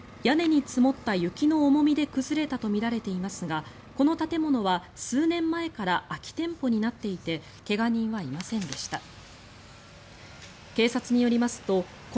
屋根に積もった雪の重みで崩れたとみられていますがこの建物は数年前から空き店舗になっていて怪我人はいませんでした。